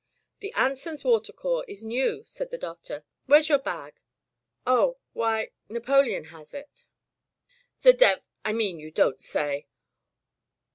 "The Anson's Water core is new," said the Doctor. "Where's your bag?" "Oh — ^why. Napoleon has it." "The dev — I mean, you don't say!